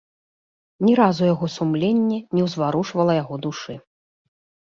Ні разу яго сумленне не ўзварушвала яго душы.